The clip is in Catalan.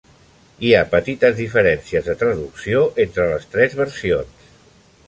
Hi ha petites diferències de traducció entre les tres versions.